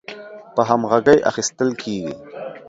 په همغږۍ اخیستل کیږي